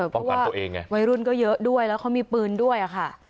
เพราะว่าวัยรุ่นก็เยอะด้วยแล้วเขามีปืนด้วยอ่ะค่ะ